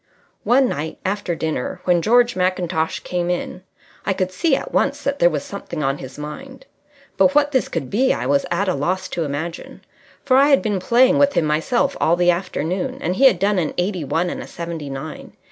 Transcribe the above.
One night after dinner when George Mackintosh came in, I could see at once that there was something on his mind, but what this could be I was at a loss to imagine, for I had been playing with him myself all the afternoon, and he had done an eighty one and a seventy nine.